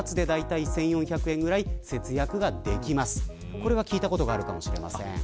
これは聞いたことがあるかもしれません。